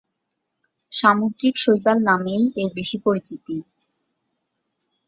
সামুদ্রিক শৈবাল নামেই এর বেশি পরিচিতি।